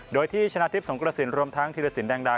โดยที่ชนะทิพย์สงกรสินทร์รวมทั้งธีรศิลป์ดังดา